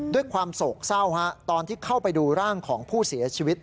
ด้วยความโศกเศร้าตอนที่เข้าไปดูร่างของผู้เสียชีวิต